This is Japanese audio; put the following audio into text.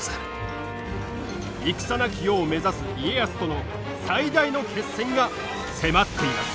戦なき世を目指す家康との最大の決戦が迫っています。